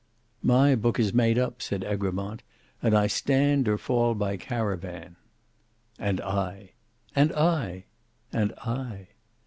"My book is made up," said Egremont; "and I stand or fall by Caravan." "And I." "And I." "And I."